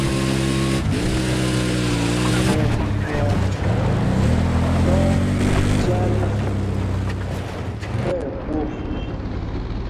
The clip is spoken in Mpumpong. Ɛnwɔŋ lɔ́ŋ mí Jal tí ɛgwôk.